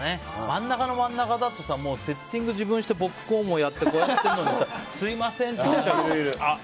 真ん中の真ん中だとセッティングしてポップコーンもやってるのにすみませんって。